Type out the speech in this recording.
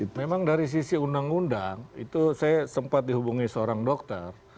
memang dari sisi undang undang itu saya sempat dihubungi seorang dokter